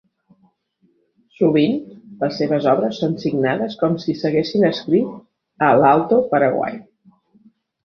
Sovint, les seves obres són signades com si s'haguessin escrit a l'Alto Paraguay.